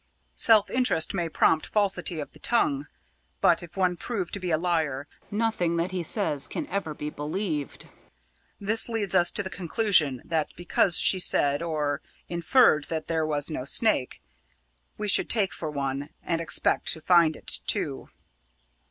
Self interest may prompt falsity of the tongue; but if one prove to be a liar, nothing that he says can ever be believed. This leads us to the conclusion that because she said or inferred that there was no snake, we should look for one and expect to find it, too.